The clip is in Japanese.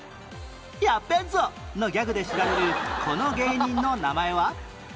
「やっべぇぞ！」のギャグで知られるこの芸人の名前は？